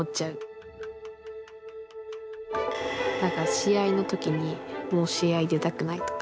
試合の時にもう試合出たくないとか。